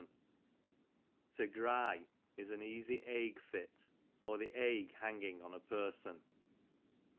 To Gry, is an easy ague fit ; or the ague hanging on a person.